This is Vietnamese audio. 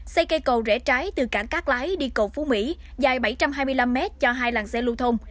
xây cây cầu rẽ trái từ cảng cát lái đi cầu phú mỹ dài bảy trăm hai mươi năm m cho hai làng xe lưu thông